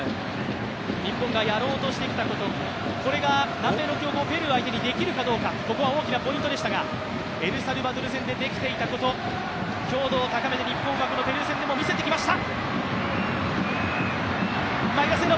日本がやろうとしてきたこと、これが南米の強豪ペルー相手にできるかどうか、ここがポイントでしたが、エルサルバドル戦でできていたこと、強度を高めて日本はペルー戦でも見せてきました。